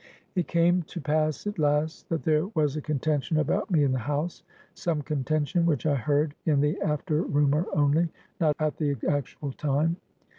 "It came to pass, at last, that there was a contention about me in the house; some contention which I heard in the after rumor only, not at the actual time.